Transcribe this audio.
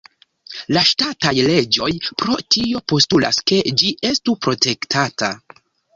La ŝtataj leĝoj pro tio postulas ke ĝi estu protektata.